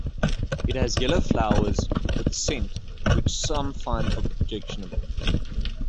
It has yellow flowers with a scent which some find objectionable.